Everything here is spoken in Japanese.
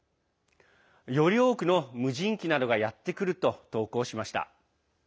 より多くの無人機などがやってくると投稿しました。